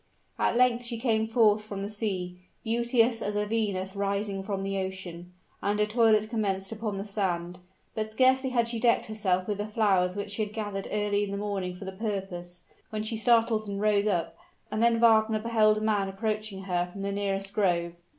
At length she came forth from the sea, beauteous as a Venus rising from the ocean; and her toilet commenced upon the sand. But scarcely had she decked herself with the flowers which she had gathered early in the morning for the purpose, when she started and rose up; and then Wagner beheld a man approaching her from the nearest grove.